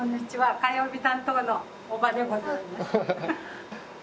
火曜日担当のおばでございます